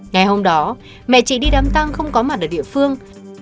ngày hôm đó mẹ chị đi đám tăng không có mặt ở địa phương